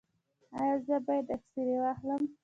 ایا زه باید اکسرې واخلم؟